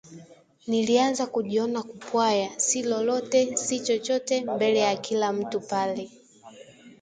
Nilianza kujiona kupwaya si lolote si chochote mbele ya kila mtu pale